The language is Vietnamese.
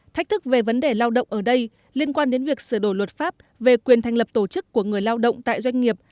thách thức về vấn đề lao động ở đây liên quan đến việc sửa đổi luật pháp về quyền thành lập tổ chức của người lao động tại doanh nghiệp